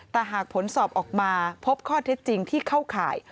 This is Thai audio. แต่หากผลสอบออกมาพบข้อเท็จจริงที่เข้าข่าย